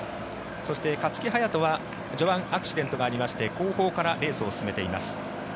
そして、勝木隼人は序盤、アクシデントがありまして後方からレースを進めています。